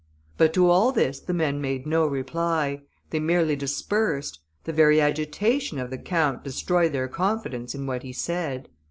But to all this, the men made no reply; they merely dispersed; the very agitation of the count destroyed their confidence in what he said.